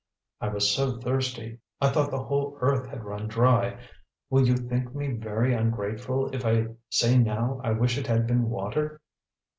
"I was so thirsty, I thought the whole earth had run dry. Will you think me very ungrateful if I say now I wish it had been water?"